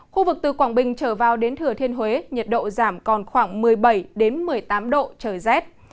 khu vực từ quảng bình trở vào đến thừa thiên huế nhiệt độ giảm còn khoảng một mươi bảy một mươi tám độ trời rét